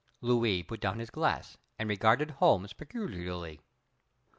Louis put down his glass, and regarded Holmes peculiarly.